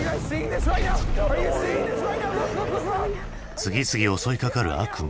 次々襲いかかる悪夢。